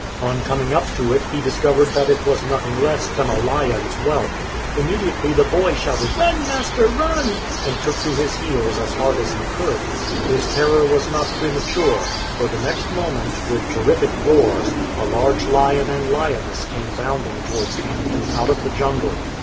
On coming up to it he discovered that it was nothing less than a lion's whelp. Immediately the boy shouted, "Run, master, run !" and took to his heels as hard as he could. His terror was not premature, for the next moment, with ENCOUNTER WITH LIONS terrific roars, a large lion and lioness came bounding to wards Hannington out of the jungle.